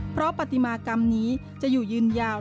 เพราะปฏิมากรรมนี้จะอยู่ยืนยาว